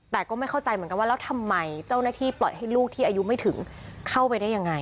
แต่ก็ไม่เข้าใจเหมือนกันว่าแล้วทำไมเจ้าหน้าที่ปล่อยให้ลูกที่อายุไม่ถึงเข้าไปได้ยังไง